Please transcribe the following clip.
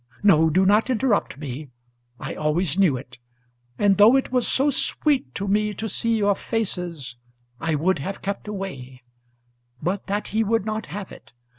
No; do not interrupt me, I always knew it; and though it was so sweet to me to see your faces, I would have kept away; but that he would not have it.